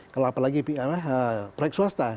kalau apalagi proyek swasta